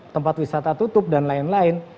tempat wisata tutup dan lain lain